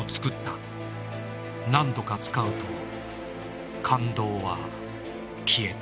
何度か使うと感動は消えた。